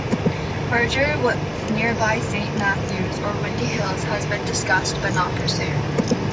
Merger with nearby Saint Matthews or Windy Hills has been discussed but not pursued.